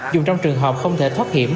dùng trong trường hợp không thể thoát hiểm